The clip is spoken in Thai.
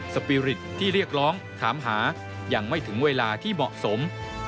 สปีริตที่เรียกร้องถามหายังไม่ถึงเวลาที่เหมาะสม